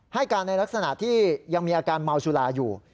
ให้การในลักษณะที่ยังมีอาการเมาสุราอยู่